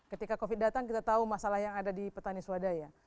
ketika covid datang kita tahu masalah yang ada di petani swadaya